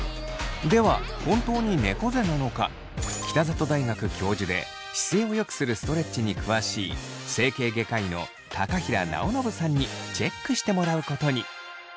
では本当にねこ背なのか北里大学教授で姿勢をよくするストレッチに詳しい整形外科医の高平尚伸さんにチェックしてもらうことに。